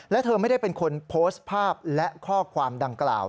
และเธอไม่ได้เป็นคนโพสต์ภาพและข้อความดังกล่าว